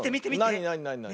なになになになに？